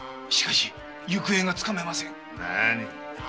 しかし行方がつかめません！